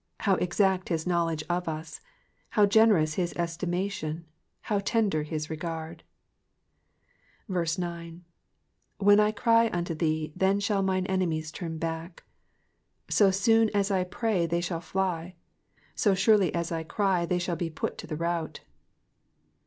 How exact his knowledge of us I How generous his estimation I How tender his regard ! 9. ''''When I cry unto thee, then shaU mine enemies turn Jaci.'* So soon as I pray they shall fly. So surely as I cry they shall be put to the rout.